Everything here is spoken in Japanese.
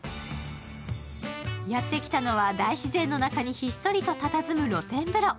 やって来たのは大自然の中にひっそりとたたずむ露天風呂。